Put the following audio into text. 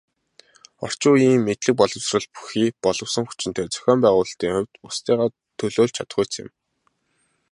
Орчин үеийн мэдлэг боловсрол бүхий боловсон хүчинтэй, зохион байгуулалтын хувьд бусдыгаа төлөөлж чадахуйц юм.